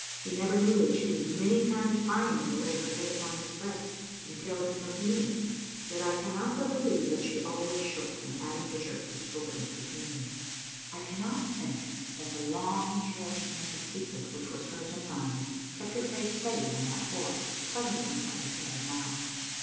He never knew that she was many times pining to lay her head upon his breast and tell him of me. Yet I cannot but believe that she always shook when Adam Dishart was spoken of between them. I cannot think that the long cherishing of the secret Digitized by VjOOQ IC 190 tSbt I4ttle Ainl0tet« which was hers and mine kept her face steady when that horror suddenly confronted her as now.